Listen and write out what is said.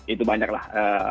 itu banyak lah